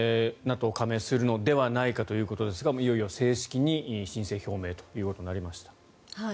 ＮＡＴＯ加盟するのではないかということですがいよいよ正式に申請表明ということになりました。